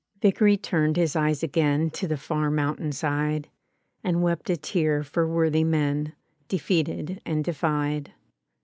Vickeiy turned his eyes again To the far mountain side, And wept a tear for worthy men Defeated and defied.